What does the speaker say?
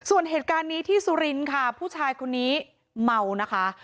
ส่วนเหตุการณ์นี้ที่สุรินทร์ค่ะผู้ชายคนนี้เมานะคะ